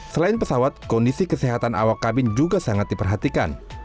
selain pesawat kondisi kesehatan awak kabin juga sangat diperhatikan